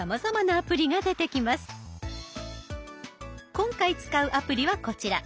今回使うアプリはこちら。